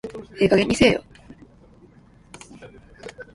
ええ加減にせえよ